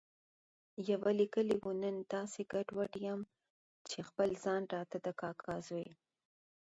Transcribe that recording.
يوه ليکلي و، نن داسې ګډوډ یم چې خپل ځان راته د کاکا زوی